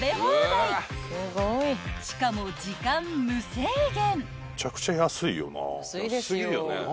［しかも時間無制限］